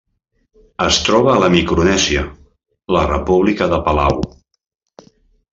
Es troba a la Micronèsia: la República de Palau.